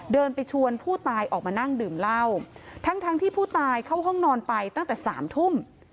เดินไปชวนผู้ตายออกมานั่งดื่มเหล้าทั้งทั้งที่ผู้ตายเข้าห้องนอนไปตั้งแต่สามทุ่ม